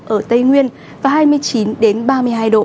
ở tây nguyên và hai mươi chín ba mươi hai độ